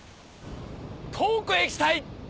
遠くへ行きたい！